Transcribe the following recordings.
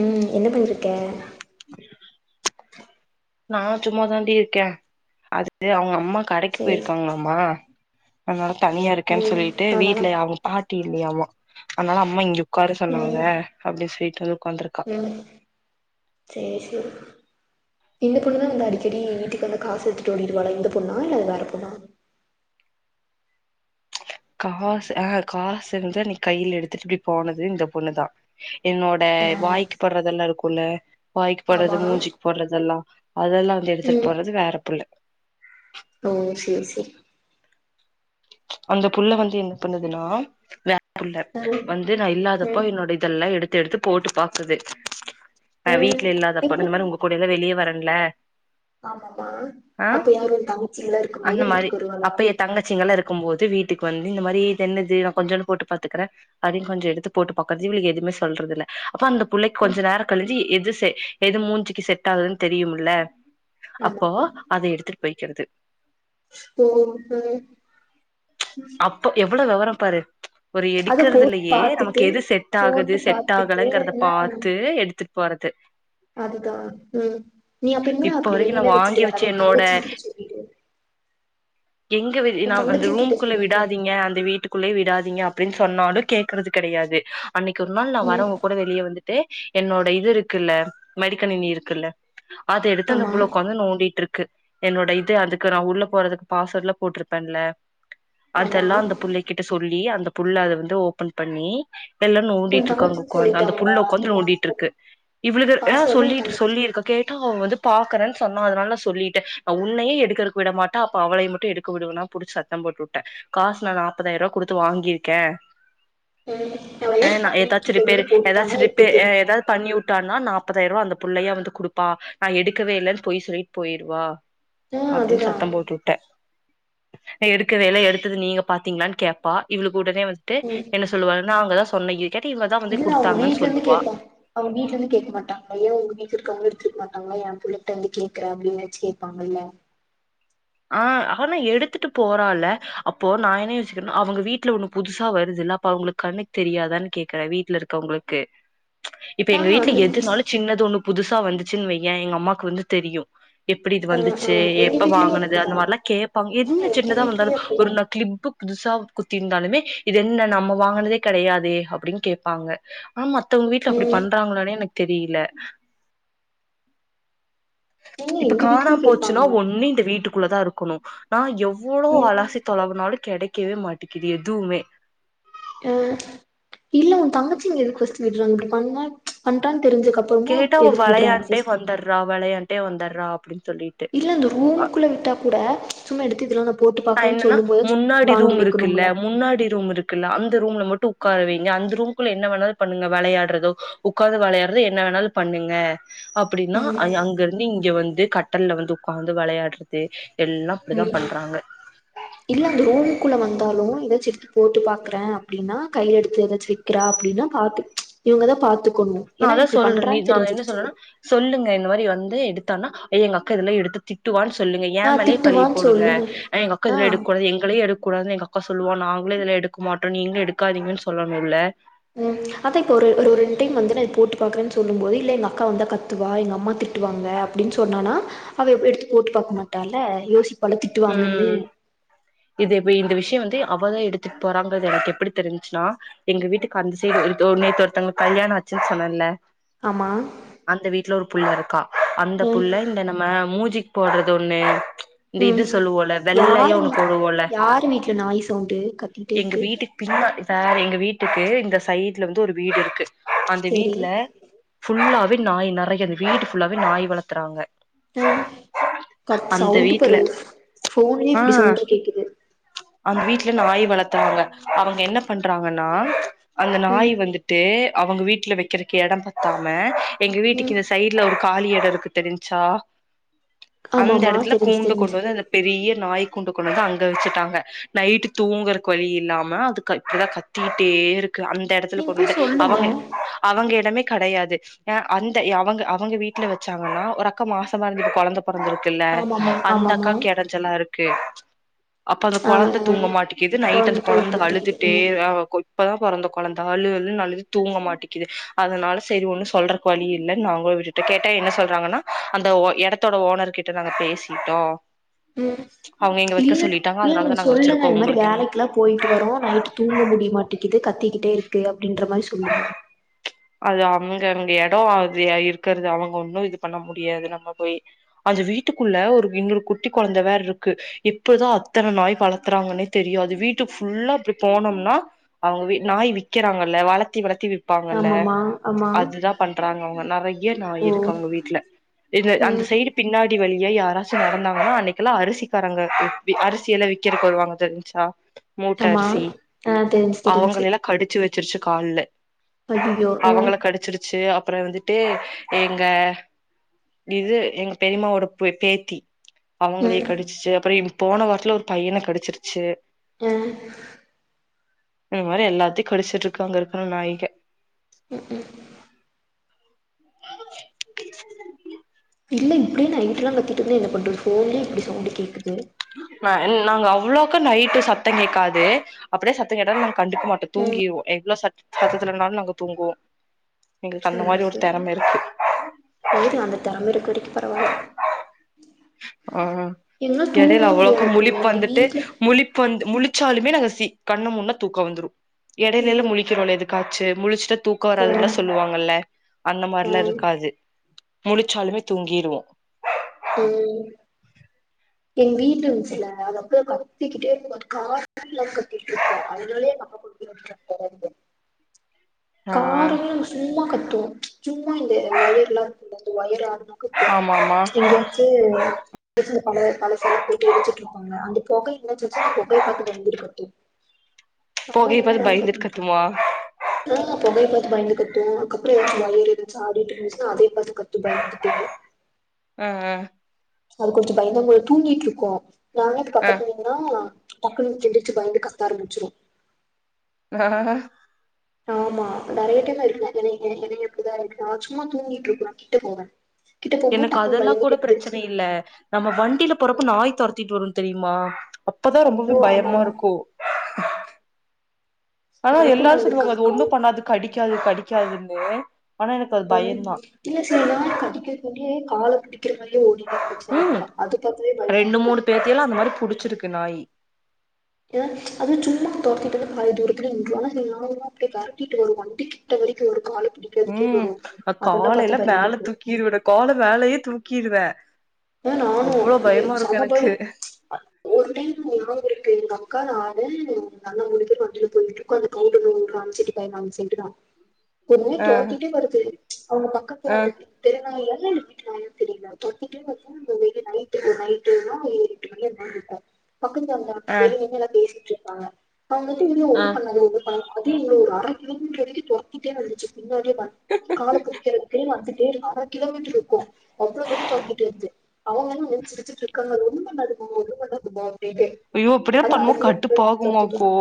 உம் என்ன பண்ணிக்கிட்டு இருக்க நான் சும்மா தாண்டி இருக்கேன் அது அவங்க அம்மா கடக்கி சேரி போயிருக்காங்ளாமா அதுனால தனியா இருக்கேன் ம் சொல்லிட்டு நானா வீட்ல அவுங்க பாட் டி இல்லயாமா அனால அம்மா இங்க உக்கார சொன்னாங்க ம் அப்டி சொல் ம் சேர் சரி இந்த பொண்ணு தா வந்து அடிக்கடி வீட்டுக்கு வந்து காசு எடுத்துட்டு ஓடிடுவாளா இந்த பொண்ணா இல்ல வேற பொண்ணா காசு ஆஹ காசு வந்து அன்னைக் கையில எடுத்துட்டு இப்டி போனது இந்த பொண்ணுதா என்னோட ஆ வாய்க்கு பட்றதெல்லா இருக்குல்ல வாய்க்கு ஆமா போட்றது மூஞ்சிக்கு போட்றதெல்லா அதெல்லா வந்து எடுத்துட்டு ம் போறது வேற புள்ள ஓ சேரி செரி அந்த புள்ள வந்து என்ன பண்ணுதுனா வே புள்ள ஆ வந்து நா இல்லாதப்போ ம் என்னோட இதெல்லா எடு த்து எடுத்து போட்டு பாக்குது ஆ நா வீட்ல இல்லாதப்ப இந்த மாரி உங்க கூடல்லா வெளிய வர ல்ல ஆமாம்மா அப்ப யாரு உ தங்கச்சியல்லா இருக்கும் அந்த போது மாரி வீட்டுக்கு வருவாளா அப்ப எ தங்கச்சிங்கல்லா இருக்கும் போது வீட்டுக்கு வந்து இந்த மாரி இதென்னது நா கொஞ்சொனுபோட்டு பாத்துக்குறே அப்டின் கொஞ்சொ எடுத்து போட்டு பாக்குறது இவளுக எதுமே சொல்றதில்ல அப்பொ அந்த புள்ளைக் கொஞ்ச ம் நேர கழிச்சு எது செ எது மூஞ்சுக்கு செட் ஆகுதுன் தெரியுமுல்ல ஆமா அப்போ அத எடுத்துட்டு பொய்க்கிறது ஓ ஓ அப்ப எவ்ளொ வெவரொ பாரு ஒரு அத போட்டு எடுக்கற்துலயே பாத்துட்டு நமக்கு எது செட் ஆகுது போட்டு செட் பாத்துட்டு ஆகலங்குறத ஆ பாத்து எடுத்து போறது அதுதா ம் நீ அப்ப இனிமேல் இப்ப அப்டி வரைக்கு நா வெளியில வச்சுட்டு வாங்கி வச்சு வராத என்னோட தங்கச்சிங் கிட்ட சொல்லிடு எங்க வெளி உ நா த அந்த ரூம்குள்ள விடாதீங்க அந்த வீட்டுக்குள்ளை விடாதீங்க அப் ப்பிடின்னு சொன்னாலு கேக்குறது கெடையாது அன்னிக்கு ஒரு நாள் நா ம் வரவங்க கூட வெளியே வந்துட் ட்டு என்னோட இது இருக்குல்ல மடிக்கணினி இருக்குல்ல அது எடுத்து அந்த ஆமா புள்ள உக்காந்து நோண்டிட்டு இருக் க்கு என்னோட இது அதுக்கு நா உள்ள போறதுக்கு பாஸ்வேர்ட்ல போட்டிருப்பேன்ல ஆமா அதெல்லா அந்த புள்ளைக் கிட்ட சொல்லி அந்த புள்ள அத வந்து ஓபன் பண்ணி எல்லா உன் நோண்டிட்டு இருக்கங்க தங்கச்சிக்கு கொழந்த அந்த சொல்லிட்டாங்களா புள்ள அந்த உக்காந்து பாஸ்வேர்ட் நோண்டிட்டுருக்கு இவ்லுக பாஸ்வேர்டு உன் சொல்லிட்டு தங்கச்சி சொல்லிருக்க கேட்டா அவ வந்து பா க்கரன் சொன்னா அதனால சொல்லிட்டே உன்னையே எடுக்ககுறத விட மாட்ட அப்ப அவளை மட்டு எடுக்க விடுவேனா புடிச்ச ட்டம் போட்டு விட்டே காசு நா நாற்பதாயிரம் ரூவா குடுத்து வாங்கிருக்கே ம் அவ ஆ நா பண்ணி ஏதாச்சு கீழ கீழ ரிப்பேர் போட்டானா ஏதாச்சு எப்டி ரிப்பேர் ஏ தெரியு ஏதாவது பண்ணி விட்டான் இன்னா நா நாப்பதாயிரம் ரூபா அந்த பிள்ளையா ப்பதாயருவா அந்த புள்ளையா வந்து குடுப்பா நா எடுக்கவே இல்லன்னு பொய் சொல்லிட் போயிருவா ஆ அப்பிடின் அதுதா சத்தம் போட்டுவிட்டே எடுக்கவே இல்ல எடுத்தது நீங்க பாத்தீங்களான்னு கேப்பா இவளுக் உடனே வந்ட்டு ம் என்ன சொல்லுவாங்கன்னா அவங்கதா சொன்னகி இல்ல அவுங்க வீட்ல இருந்து கேப்பா அவுங் வீட்ல இருந்து கேக்க மாட்டா ஏ உங்க வீட்டு இருக்கவங்க இரு த்து பாத்தாங்கனா ஏன் புள்ளட்ட வந்து கேக்குற அப்பிடின்னு வச்சு கேபாங்கல்ல ஆ ஆனா எடுத்துட்டு போறால அப்போ நா என்ன யோசிக்கிறேன்னா அவங்க வீட்டுல ஒண்ணு புதுசா வருது இல்ல அப்ப அவங்களுக்கு கண்ணுக்கு தெரியாதான் கேக்குறே வீட்டுல இருக்கவங்களுக்கு இப்ப எங்க ஆ வீட்டுல அந்த எதுனாலு சின்னது ஒண்ணு புதுசா வந்துச்சின்னு வையே எங்க அம்மாக்கு வந்து தெரியு எப்பிடி இது ஆ வந்துச்சி ஆ எங்க எப்ப வீட்லயு வாங்கன த அப்டிதா அந்த மாரிலா கேப் ப்பாங் என்ன ஆ எங்க சின்னதா வந்தாலு வீட்லயு அப்டிதா ஒரு நா கிளிப்புக் புதுசா குத்திருந்தாலுமே இது என்ன நம்ம வாங்கனதே கெடையாதே அப்பிடின் கேப்பாங்க ஆமா த்தவங்க வீட்ல அப்பிடி ம் பண்றாங்களானே எனக் தெரியல இல்ல இப்ப எங்க வீட்லயு காணாம போச்சுன்னா கேப்பாங்க ஒண்ணு இந்த வீட்டுக் குள்ள தா இருக்கணு நா எவ் வ்ளோ அலாசி தொலாவுனாலு கெடைக் க்கவே மாட்டிக்கிது எதுவுமே ம் இல்ல உன் தங்கச்சிங்க எதுக்கு ஃபஸ்ட்டு விட்றாங்க இப்டி பண்ணா பண்டா கேட்டா அவ வளையான்ட்டே வந்தர்றா வளையான் ட்டே வந்தர்றா அப்டின் இல்ல அந்த ரூம்க்குள்ள விட்டா கூட சும்மா எடுத்து இதுலா நா போட்டு ஆ பாக்குறேன்னு என்னன்னா சொல்லும் போது முன்னாடி வாங்கி ரூம் இருக்குல்ல வைக்கணும்ல முன்னாடி ரூம் இருக்குல்ல அந் த ரூம்ல மட்டு உக்கார வைங்க அந்த ரூம்குள்ள என்ன வேணாலு பண்ணுங்க வளையாட்றதோ உக்காந்து வளையாட்றதோ என்ன வேணாலு பண்ணுங்க அப்டின்னா ம் அய் அங்கருந்து இங் க வந்து கட்டல்ல வந்து உக்காந்து வளையாட்றது எல்லா அப்டிதா பண்றாங்க இல்லந்த ரூம் குள்ள வந்தாலு எதாச்சு எடுத்து போட்டு பாக்குறே அப்டின்னா கைல எடுத்து எதாச்சு வக்கிறா அப்டின்னா பாத்து இவுங்கதா பாத்து நா அதா சொல்றே நீ நா என்ன சொன்னனா சொல்லுங்க இந்த மாரி வந்து எடுத்தான்னா ஐயோ எங்க அக்கா இதெல்லா எடுத்தா திட்டுவான் சொல்லுங்க ஏ ஆ மேலயே பழிய திட்டுவான்னு போடுங்க சொல்லுங்க எங்க அக்கா இதுலா ஆ எடுக்கூடாது எங்களயே எடுக்கூடாது எங்கக்கா சொல்லுவா நாங்களு இதுலா எடுக்க மாட்டோ நீங்களு எடுக்காதீங்கன் சொல்லனூல்ல ம் அதா இப்ப ஒரு ஒரு ரெண்டு டைம் வந்தனொ இத போட்டு பாக்குறேன் சொல்லும் போது இல்ல எங்க அக்கா வந்தா கத்துவா எங்க அம்மா திட்டுவாங்க அப்புடின் சொன்னானா அவ எப்டி எடுத்து போட்டு பாக்க மாட்டால்ல யோசிப் ம் இது ப இந்த விஷ்ய வந்து அவதா எடுத்துட் போறாங்றது எனக்கு எப்புடி தெருஞ்ச்சுனா எங்க வீட்டுக்கு அந்த சைடு ஒருத்தவ் நேத்து ஒருத்தங்ளுக் கல்யாண ஆச்சுன் சொன்னன்ல ஆமா புள்ள இருக்கா அந்த ம் புள்ள இந்த நம்ம மூஜி போட்றதொன்னு இந்த ம் இது சொல்லுவோல்ல வெள்ளையா யாரு ஒன்னு வீட் போடுவோல்ல யாரு வீட்ல நாய் சவுண்டு கத்திட்டே எங்க இருக்கு வீட்டுக் பின்னா இப்ப எங்க வீட்டுக்கு இந்த சைட்ல வந்து ஒரு வீடு இருக்கு அந்த சேரி வீட்ல ஃபுல்லாவே நாய் நறைய அந்த வீட்டு ஃபுல்லாவே நாய் வளத்துறாங்க அ அப் சவுண்டு வீட்ல பாரு போன்லயே ஆ இப்டி சவுண்டா கேக்குது அந்த வீட்ல நாய் வளத்துறாங்க அவுங்க என்ன பண்றாங்கன்னா அந்த நாய் ம் வந்துட்டு அவுங்க வீட்ல வைக்கிறக்கு எடம் பத்தாம எங்க வீட்டிக்கு ம் இந்த சைட்ல ஒரு காலி எடம் இருக்கு தெரிஞ்சா அந்த ஆமாமா எடத்துல தெரிஞ்சு கூண்டு கொண்டு தெரிஞ்சு வந்து அந்த பெரிய நாய் குண்டு கொண்டு அங்க வச்சுட்டாங்க நைட்டு தூங்குகறக் வழி இல்லாம அது இப்ப தான் கத்திட்டே இருக்கு அந்த எடத்துல நீங்க கொண்டு போய் வந்து சொல்லுங்க அவங்க அவங்க எடமே கடையாது அந்த அவங்க அவங்க வீட்ல வச்சாங்கன்னா ஒரு அக்கா மாசமா இருந்து கொழந்தை பொறந்திருக்குல்ல ஆமாமா அந்த ஆமாமா அக்கா நல்லாருக்கு அப்ப அந்த ஆ கொழந்தை ஆ தூங்க மாட்டேங்கிது நைட் அந்த கொழந்த தூங்க கொழந்தை மாட்டிக்குது அழுதுட்டே ம் ஹ இப்பதா பொறந்த கொழந்த அழு அழு அழுது தூங்க மாட்டிங்கிது அதுனால சரி ஒண்ணு சொல்றக்கு வழி இல்லன் நாங்களும் விட்டுட்டோ கேட்டா என்ன சொல்றாங்கன்னா அந்த எடத்தோட ஓனர் கிட்ட நாங்க பேசிட்டோம் ம் இல்ல இல்ல நீங்க அதனாலதா நாங்க சொல்லுங்க வச்சிருக்கோ இந்த மாரி உங்களுக்கு என்ன வேலைகுல்லாம் போயிட்டு வரோம் நைட்டு தூங்க முடிய மாட்டிக்கிது கத்தி கிட்டே இருக்கு அப்பிடின்ற மாரி சொல்லுங்க அது அங்க அங்க எடம் இது இருக்கறது அவுங்க ஒன்னு இது பண்ண முடியாது நம்ம போய் அது வீட்டுக்குள்ள ஒரு இன்னொரு குட்டி கொழந்தை வேற இருக்கு எப்புடிதான் அத்தனை நாய் வளத்துறாங்கன்னே தெரியாது வீட்டுக் ஃபுல்லா அப்டி போனோம்னா அவுங்க நாய் விக்கிறாங்கல்ல வளத்தி வளத்தி விப் பாங்கல்ல ஆமாமா ஆமா அதுதான் பண்றாங்க அவுங்க நெறைய நாய் ஓ இருக்க அவுங்க வீட்ல இந்த அந்த ம் சைய்டு பின்னாடி வழி ஏ யாராச்சு நடந்தாங்கன்னா அன்னைக்குல்லா அரிசிக்காரங்க அரிசி எல்லா விக்கறக்கு வருவாங்க தெரிஞச்சா ஆமா ஆ தெரிஞ்சு தெரிஞ்சு சிருச்சு கால்ல ஐய் அவுங்கள கடிச்சிருச்சு அப்புற வந்துட்டு எங்க இது எங்க பெரியமாவோட பே பேத்தி அவுங்களயு ம் கடிச்சிச்சு அப்புற போன வாரத்துல ஒரு பையன கடிச்சிருச்சு ஆ இந்த மாரி எல்லாத்தையு கடிச்சுட்டு இருக்கு அங்க இருக்கிற நாயிக ம் ம் [unintelligible] இல்ல இப்டியே நைட்டுலா கத்திட் இருந்தா என்ன பண்ணறது ஃபோன் இப்டி சவுண்டு கேக்குது வா என் நாங்க அவ்ளோக்கு நைட்டு சத்தோ கேக்காது அப்பிடியே சத்தோ கேட்ட நா கண்டுக்க மாட்டோ ம் தூங்கிருவோ எவ்ளோ சத் சத்தத்துலனாலு நாங்க தூங்குவோ எங்களுக்கு அந்த சேரி மாரி ஒரு சேரி தெறம இருக்கு சேரி அந்த திறம இருக்கு வரிக்கு பரவாயில்ல ஆ எடையில அவ்ளோக்கு முடியாதாக்கு முழிப்பு எங்க வந்துட்டு வீட்ல முழிப்பு வந்து முழிச்சாலு இன்னமே சி கண்ண மூன்னா தூக்கா வந்துரு எடையிலல்ல ம் முழிக்கிறோல்ல எதுக்காச்சு முழிச்சிட்டா ஆ தூக்கவராதுல்லா சொல்லுவாங்கல்ல அந்த மாரிலா ஆ இருக்காது முழிச்சாலுமே தூங்கிருவோ ம் எங்க வீடு இருந்ச்சுல அதப்பேக்கா த்திக்கிட்டே இருக்குவா [unintelligible] கத்திட்டு இருக்கும் அதனாலே எங்க அப்பா கொடுக்க [unintelligible] ஆ காரா சும்மா கத் டு சும்மா இந்த ஒயர்லா இருக்குல்ல அந்த ஒயர் அது கத்தும் ஆமாமா எங்கயாச்சி பழசல்லா போட்டு இடிச்சுட்டுருப்பாங்க அந்த புக என்னச்சச்சு அந்த புகையி காத்துக்கு வந்துருக்கு அப்பிடின்னனு புகைய சம்மதமே பாத்து இல்லாம பயந்துட்டு கத்திட்டு இருக்கோ கத்துமா ஆ புகைப்பத் பயந்து கத்து அதுக்கப்புறோ ஏதாச்சு வயர் ஏதாச்சு ஆறிட்டு இருந்துச்சுன்னா அதே பாத்து கத்து பயந்துட்டு ம் ம் அது கொஞ்சோ பயந்தாங்கோலி தூங்கிட்டுருக்கு நானேட்டு ஆ பக்கத்து வீடுனா டக்குனு எழுந்துருச்சி பயந்து கத்தாரம்பிச்சிரு ஆஹ் ஆமா நெறைய டைம்லா இருக்க என் எ எ ஏனா எப்படிதா இருக்க சும்மா தூங்கிட்டு இருக்கு நா கிட்ட போவே கிட்ட போம்போது எனக்கு டக்குனு அதெல்லா கூட பயந்துட்டு பிரச்சன எந்திரிச்சு இல்ல நம்ம வண்டியில உம், போறப்ப நாய் தொரத்திட்டு வரு தெரியுமா அப்பதா ரொம்பவே ஐயோ ஆமா பயமா ஆமா இருக்கு ஆனா எனக்கு எல்லாரு நடந்திருக்கு சொல்லுவாங்க அந்த அது ஒண்ணு கால் பண்ணாதுக்கு கடிக் க்காது கடிக்காதுன்னு ஆனா எனக்கு அது உம் பயந்தா இல்ல சில நாள் கடிக்கிறது கே காலக் கட்டி உம் பயமா ரெண்டு இருக்கு மூனு பேத்தியல்லா அந்த மாரி புடிச்சிருக்கு நாய் ஏன்னா அது சும்மா தொரத்திட்டு பாதி தூரத்துலய ந ஆனா நா அப்டியே விரட்டிட்டு வரு வண்டி கிட்ட வரைக்கு ஒரு கால மட் உம் அந்த காலேல பயமா மேல இருக்கு தூக்கிடு விட கால மேலையே தூக் கிடுவ நானு செம பயம் ம்ச் [unintelligible] எங்க அக்கா நானு நல்லா மூனு பேர் வண்டில போயிட்டு இருக்கோ அந்த கவுண்ட அனுச்சிட்டு பன் சைடு தா என்னயே ஆ தொரத்திட்டே வருது அவுங்க பக்கத்து ஆ வந்து தெருநாயா நா தெரியல தொரத்திகிட்டே இரு ங்க வெ நைட்டுக்கு நைட்டுனா எட்டு மணிட்ட பக்கத்துகாரதா ஆ வெளிய என்னெல்லா பேசிட்டு வாங்க அவுங்க இ ஆ ஒன்னு பண்ணாது ஒன்னு பண்ண அது எங்கள ஒரு அர கிலோமீட்டர் வரைக்கு தொரத்திட்டே வந்துச்சு பின்னாடியே பாத் கால கடிக்கிறதுக்கு வந்து தேடி வர கிலோமீட்டர் இருக்கு அவ்ளோ தூர தொறத்திகிட்டு இருந்துச்சு அவுங்கென்ன நின்னு சிரிச்சிட்டு இருக்காங்க ரொம்ப கடுப்பாகு என்ன பண்றது ஐயோ இப்டியே பண்ணுவோ தொரத்திட்டு கட்டுப்பாகுமாக்கோ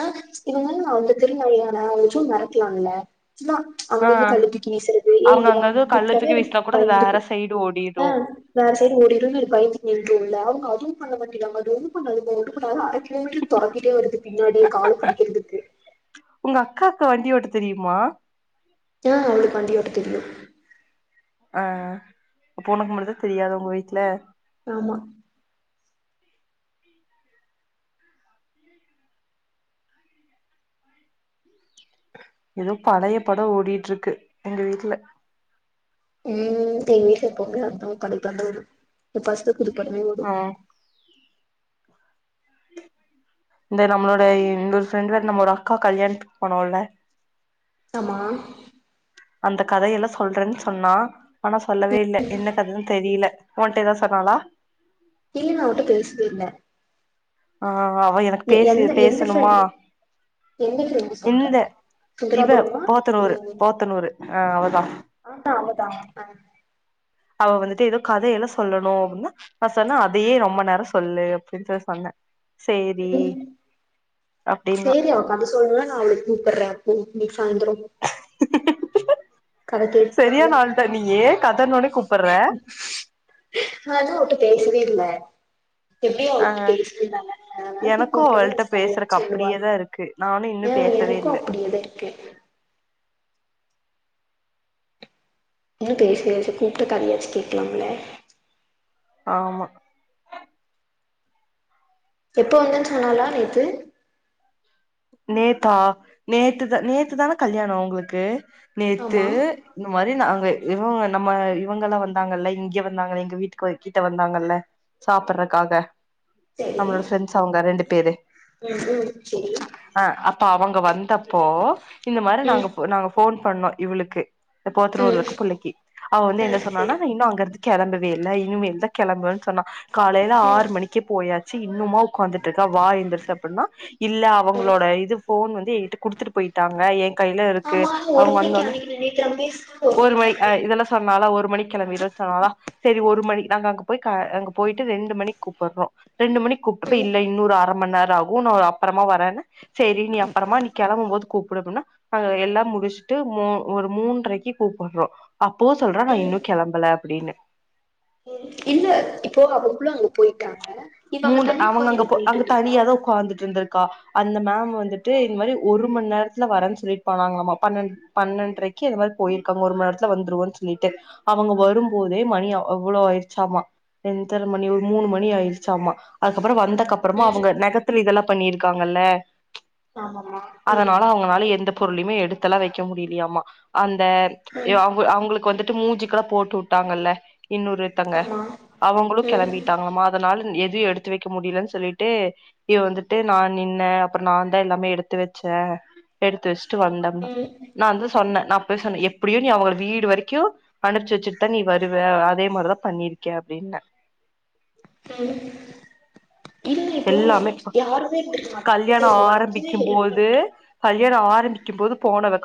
ஆ இவுங்க அவுங்க தெரு நாயா நா அவ்சும் மறக்கலாம்ல சுமா அவள ஆ மேல கல்ல கல்ல தூக்கி வீசுறது ஏ அவங்க இங்கதா அங்க எது கல்ல கூப்ட்டாவே தூக்கி அது வீசுனா கூட வேற பயந்துக்கு சைடு ஆ ஓடிரு வேற சைடு ஓடிருன்னு பயந்து நிக்குல அவுங்க அது [unintelligible] நேற்று தொறத்திகிட்டே வருது பின்னாடியே கால பிடிக்குறதுக்கு உங்க அக்காக்கு வண்டி ஓட்ட தெரியுமா ஆ அவளுக்கு வண்டி ஓட்ட தெரியு ஆ போனக்கும்பதுதா தெரியாது உங்க வீட்ல ஆமா ஏதோ பழய படோ ஓடிட்டு இருக்கு எங்க வீட்ல உம் டிவி எப்போமே அம் படிக்கரும் எப்ப ப்பஸ்ட் புதுப்படமே ஓடும் ம் இந்த நம்மளோட இன்னொரு ஃபிரண்டு வேற நம்ம ஒரு அக்கா கல்யாணத்துக்கு போனோம் இல்ல ஆமா அந்த கதையெல்லாம் சொல்றன்னு சொன்னா ஆனா சொல்லவே இல்ல என்ன கதன்னு தெரியல ஓன்ட்ட எதா சொன்னாளா இல்ல நா அவள்ட்ட பேசவே இல்ல ஆ அவ எனக்கு எ பேசு எந்த எந்த பேசணுமா ஃப்ரெண்டு எந்த ஃப்ரெண்டு சொல்ற இந்த இவ சுந்தராபுரமா போத்தனூரு ம் போத்தநூறு ஆ அவதான் ன்னா அவதா ஆ அவ வந்துட்டு எதோ கதையெல்லாம் சொல்லணும் அப்டினா நா சொன்ன அதையே ரொம்ப நேரம் சொல்லு அப்டின்ட்டு சொன்ன சேரி அப்டின்னா சரி அவ கத சொல்லணுன்னா நா அவளுக்கு கூப்படறே அப்போ சாந்தறோ சரியான ஆள் தா நீயி கத இன்னோனே கூப்பற நாதா ஒன்ட்ட கேக்கவே இல்ல எப்படியோ ஆ அவட்டு பேசிருந்தால அதால சரி எனக்கு கூப்பித வச்சலான்னு அவள்ட்ட எப்டி அவளுக்கு தெரியும் சொல்லாம நா நெனச்சி கூப்ட்டன் கதைய பேசுறக்கு சொல்லுவா அப்டியேதா இருக்கு நானு இன்னு அப்டின் ஏ பேசவே எனக்கும் இல்ல அப்டியேதா இருக்கு ஏன் பேசவே இல்ல சரி கூப்ட்டுருக்கா நீயாச்சும் கேக்கலாம் இல்ல ஆமா எப்ப வந்தன் சொன்னாளா நேத்து நேத்தா நேத்துதான் நேத்து தானா கல்யாணம் அவுங்களுக்கு நேத்து ஆமா இது மாரி நா அங்க இவுங்க நம்ம இவுங்கல்லாம் வந்தாங்கல்ல இங்கே வந்தாங்கலே எங்க வீட்டுக்கு கிட்ட வந்தாங்கல்ல சாப்றக்காக சரி நம்மளோட ஃப்ரண்டஸ் அவு ங்க ரெண்டு பேரு ம் ம் சரி ஆ அப் ப அவுங்க வந்தப் போ இந்த மாரி நாங்க ம் நாங்க ஃபோன் பண்ணோம் இவளுக்கு த போத்தனூருல ம் இருக்க புள்ளைக்கு அவ வந்து ஆ என்ன சொன்னானா சரி இன்னும் அங்கறது கெளம்பவே இல்ல இனிமேல்தா கெளம்ப சொன்ன காலையில ம் ஆறு மணிக்கு போயா இன்னுமா உட்காந்துட்டு இருக்க வா எந்துருச்சு அப்டின்னா இல்ல ம் அவுங்களோட இது போன் வந்து குடுத்துட்டு போயிட்டாங்க ஏ கையில இருக்கு ஆமா ஒரு அவுங்க மணிக்கு வந்தோன அன்னைக்கு நேத்து நம்ம பேசுனது ஒரு மணிக்கு மணி அ ஆனது இதெல்லா சொன்னிலா ஒரு மணி கிளம்பிடுவே சொன்னாலா சேரி ஒரு மணி நாங்க அங்க போய் க அங்க போயிட்டு ரெண்டு மணிக்கு கூப்பறோ ரெண்டு மணிக்கு கூப்டப்ப ம் இல்ல இன்னொரு அரை மணிநேர ரெகு நா ஒரு ஆப் அப்புறமா வரேன்னு சேரி நீ அப்புறமா நீ கிளம்பு போது கூப் பிடதுன்னா நாங்க எல்லா முடிச்சுட்டு மூ ஒரு மூன்றரைக்கு கூப்பிடுறோ அப்போ சொல்றே நா ம் இன்னு கிளம்பல அப்படின்னு ம் இல்ல இப்போ அவங்களும் அங்க போயிட்டாங்க இவ அங்க மூன்று தனியா அவுங்க உக்காந்து அங்க என்ன ப பண்ணிட்டு அங்க இருந்திருப்பா தனிய தா உட்காந்துட்டு இருந்திருக் கா அந்த மேம் வந்துட்டு இந் மாரி ஒரு மணி நேரத்துல வரேன்னு சொல்லிட்டு போனாங்களாமா பன்னெ பன்னென்றரைக்கு அது மாரி போயிருக்காங்க ஒரு மணி நேரத்துல வந்துருவன்னு சொல்லிட்டு அவுங்க ம் வரும்போதே மணியா அவ்வளோ ஆயிடுச்சாமா எத்தன மணி ஒரு மூணு மணி மணி ஆயிடுச்சமா அதுக்கப்புறம் வந்த கப்புறமா ம் அவுங்க நகத்தில இதெல்லா பண்ணிருக்காங்கல்ல ஆமாமா ம் அதனால அவுங்கனால எந்த பொருளுமே எடுத்தலா வைக்க முடியலையாமா அந் த ய ம் அங்க அவுங்களுக்கு வந்துட் டு மூஞ்ச்சிக்கெல்லா போட்டு விட்டாங்கல்ல இன்னொருத்தங்க ஆமா அவுங்களு ம் கிளம்பிட்டாங்களமா [unintelligible] எது எடுத்து வைக்க முடியலு சொல்லிட்டு இவ வந்துட்டு நா நின்ன அப்புறோ நா தா எல்லாமே எடுத்து வச்சே எடுத்து வச்சு சு வந்தேன்னா ம் நா வந்து சொன்னே நா அதா சொன்ன எப்படியு நீ அவுங்க வீடு வரைக்கு அனுபுச்சி வச்சுட்டு தா நீ வருவ அதே மாரிதா பண்ணிருக்க அப்படின்னே ம் இல்ல இப்போ எல்லாமே யாருமே இருந்து மாட்டாங்க சோ கல்யாணோ ஒர்த்தரமே ஆரம்பிக்கும் ஹெப் போது பண்ற கல்யாணோ ஆரம்பிக்கும் போது போனவ